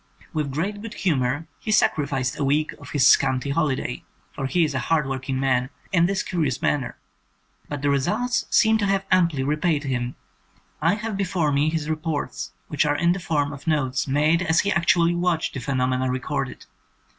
With great good humour, he sacrificed a week of his scanty holiday — for he is a hard worked man — in this curi ous manner. But the results seem to have amply repaid him. I have before me his reports, which are in the form of notes made as he actually watched the phenomena re corded.